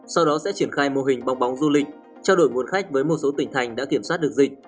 sau đó sẽ triển khai mô hình bong bóng du lịch trao đổi nguồn khách với một số tỉnh thành đã kiểm soát được dịch